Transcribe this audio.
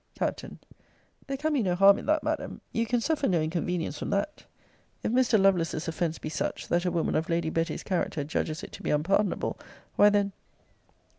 Capt. There can be no harm in that, Madam. You can suffer no inconvenience from that. If Mr. Lovelace's offence be such, that a woman of Lady Betty's character judges it to be unpardonable, why then Cl.